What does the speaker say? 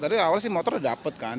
tadi awalnya si motor sudah dapat kan